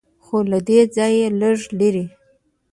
خو له دې ځایه لږ لرې.